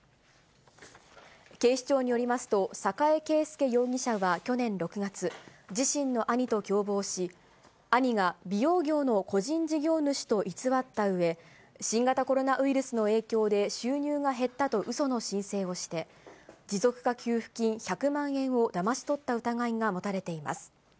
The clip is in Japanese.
警視庁によりますと、寒河江圭佑容疑者は去年６月、自身の兄と共謀し、兄が美容業の個人事業主と偽って、新型コロナウイルスの影響で収入が減ったとうその申請をして、持続化給付金１００万円をだまし取った疑いが持たれています。